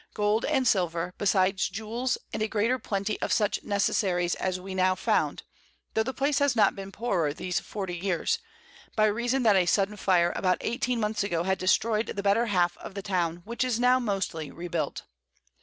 Gold and Silver, besides Jewels, and a greater Plenty of such Necessaries as we now found, tho' the Place has not been poorer these 40 Years, by reason that a sudden Fire about 18 Months ago had destroy'd the better half of the Town, which is now mostly rebuilt.